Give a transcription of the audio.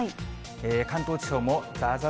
関東地方もざーざー